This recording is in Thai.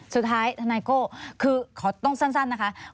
ทนายโก้คือขอต้องสั้นนะคะ